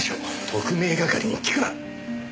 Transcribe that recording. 特命係に聞くな！